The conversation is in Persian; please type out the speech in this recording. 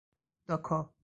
داکا